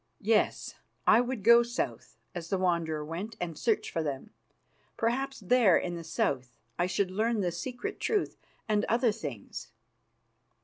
Yes, I would go south, as the Wanderer went, and search for them. Perhaps there in the South I should learn the secret truth and other things.